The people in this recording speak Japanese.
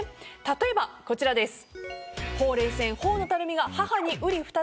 例えばこちらです。